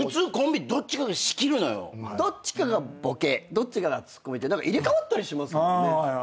どっちかがボケどっちかがツッコミって入れ替わったりしますもんね。